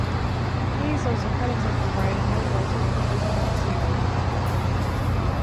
He is also credited for writing novels for the Wishbone series.